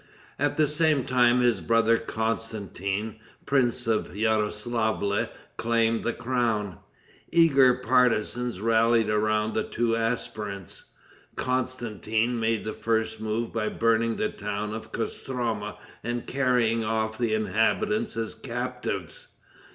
At the same time his brother Constantin, prince of Yaroslavle, claimed the crown. Eager partizans rallied around the two aspirants. Constantin made the first move by burning the town of Kostroma and carrying off the inhabitants as captives.